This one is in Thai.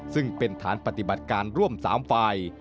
ซึ่งเป็นฐานปฏิบัติการร่วม๓ฝ่าย